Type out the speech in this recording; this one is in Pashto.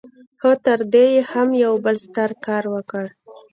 خو تر دې يې هم يو بل ستر کار وکړ.